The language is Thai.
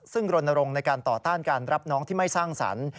ซึ่งรณรงค์ในการต่อต้านการรับน้องที่ไม่สร้างสรรค์